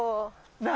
何？